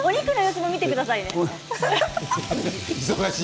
お肉のやつも見てください。